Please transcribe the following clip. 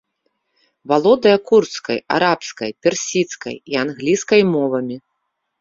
Валодае курдскай, арабскай, персідскай і англійскай мовамі.